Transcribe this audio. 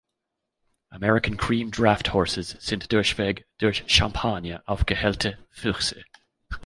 American Cream Draft Horses sind durchweg durch Champagne aufgehellte Füchse.